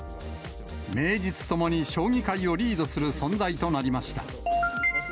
名実ともに将棋界をリードする存在となりました。